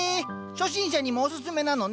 初心者にもおすすめなのね。